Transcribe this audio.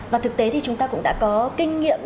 và thực tế thì chúng ta cũng đã có kinh nghiệm